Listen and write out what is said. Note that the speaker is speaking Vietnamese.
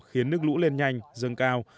khiến nước lũ lên nhanh dâng cao